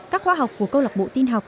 các khoa học của câu lạc bộ tin học